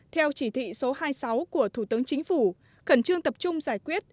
theo chỉ thị số hai mươi sáu của thủ tướng chính phủ khẩn trương tập trung giải quyết